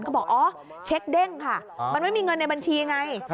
บอกอ๋อเช็คเด้งค่ะมันไม่มีเงินในบัญชีไง